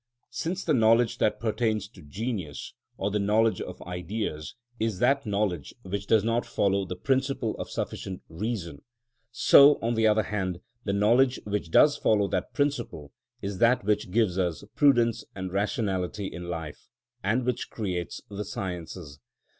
Since the knowledge that pertains to genius, or the knowledge of Ideas, is that knowledge which does not follow the principle of sufficient reason, so, on the other hand, the knowledge which does follow that principle is that which gives us prudence and rationality in life, and which creates the sciences.